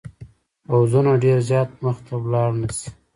پوځونه ډېر زیات مخته ولاړ نه شي.